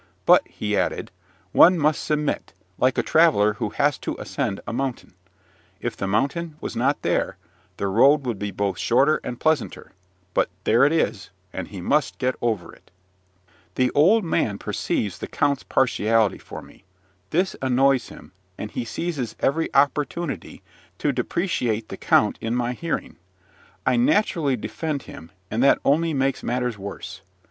"But," added he, "one must submit, like a traveller who has to ascend a mountain: if the mountain was not there, the road would be both shorter and pleasanter; but there it is, and he must get over it." The old man perceives the count's partiality for me: this annoys him, and, he seizes every opportunity to depreciate the count in my hearing. I naturally defend him, and that only makes matters worse.